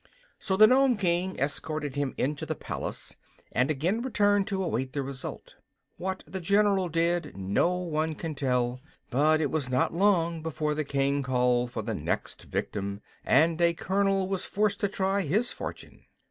So the Nome King escorted him into the palace, and again returned to await the result. What the general did, no one can tell; but it was not long before the King called for the next victim, and a colonel was forced to try his fortune.